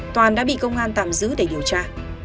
toàn đã bị công an tạm giữ để điều tra